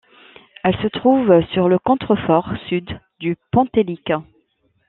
Elle se trouve sur le contrefort sud du Pentélique.